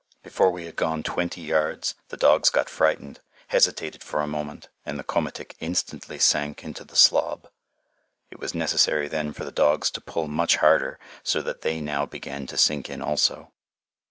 Before we had gone twenty yards, the dogs got frightened, hesitated for a moment, and the komatik instantly sank into the slob. It was necessary then for the dogs to pull much harder, so that they now began to sink in also.